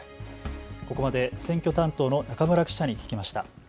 ここまで、選挙担当の中村記者に聞きました。